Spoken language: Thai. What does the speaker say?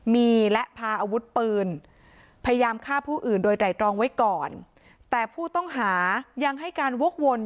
เมื่อนบ้างก็ยืนยันว่ามันเป็นแบบนั้นจริง